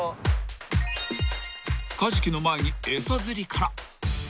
［カジキの前に餌釣りから］